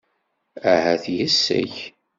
Ahat yes-k.